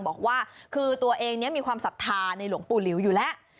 บอกว่าคือตัวเองมีความศรัทธาในหลวงปู่หลิวอยู่แล้ว